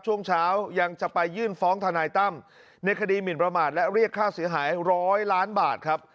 ช่วงเช้ายังจะไปยื่นฟ้องทนายตั้มในคดีหมินประมาทและเรียกค่าเสียหาย๑๐๐ล้านบาทครับ